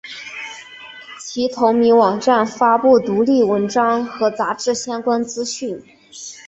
其同名网站发布独立文章和杂志相关资讯。